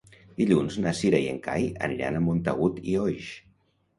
Dilluns na Cira i en Cai aniran a Montagut i Oix.